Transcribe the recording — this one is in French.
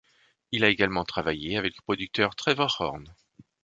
Il a également travaillé avec le producteur Trevor Horn.